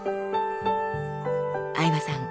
相葉さん